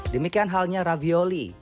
demikian halnya ravioli